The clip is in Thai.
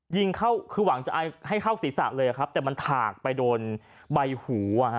ยิงเข้าคือหวังจะให้เข้าศีรษะเลยครับแต่มันถากไปโดนใบหู